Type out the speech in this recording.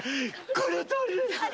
このとおりです。